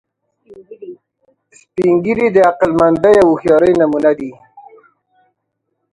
سپین ږیری د عقلمندۍ او هوښیارۍ نمونه دي